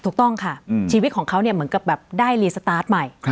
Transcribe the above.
ถูกต้องค่ะชีวิตของเขาเนี่ยเหมือนกับแบบได้รีสตาร์ทใหม่